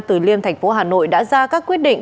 từ liêm thành phố hà nội đã ra các quyết định